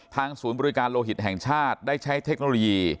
ศูนย์บริการโลหิตแห่งชาติได้ใช้เทคโนโลยี